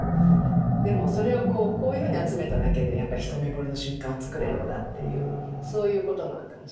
でもそれをこうこういうふうに集めただけでやっぱり一目ぼれの瞬間をつくれるんだっていうそういうことなのかもしれないですね。